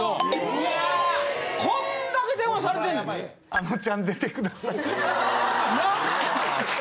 「あのちゃん、出てください」。